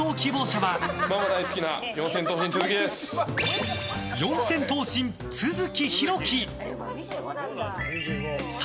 ママ大好きな四千頭身、都築です。